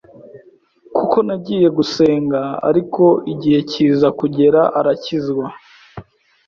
kuko nagiye gusenga ariko igihe kiza kugera arakizwa,